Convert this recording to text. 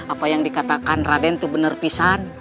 apa yang dikatakan raden tuh bener pisah